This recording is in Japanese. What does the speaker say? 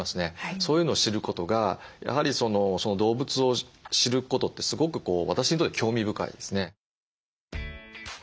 そういうのを知ることがやはり動物を知ることってすごく私にとって興味深いですね。